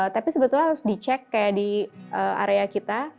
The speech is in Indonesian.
tapi sebetulnya harus dicek kayak di area kita